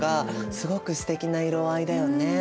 すごくすてきな色合いだよね。